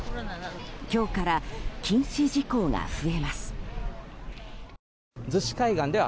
今日から禁止事項が増えます。